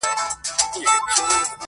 ستړې سوې مو درګاه ته یم راغلې-